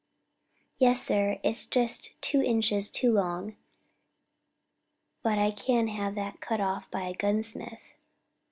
"Yes, sir, it's just two inches too long, but I can have that cut off by a gunsmith."